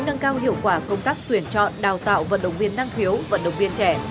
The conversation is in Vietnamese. nâng cao hiệu quả công tác tuyển chọn đào tạo vận động viên năng khiếu vận động viên trẻ